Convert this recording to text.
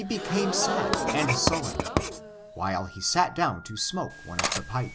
become sad and sullen, while he sat down to smoke one of the pipes.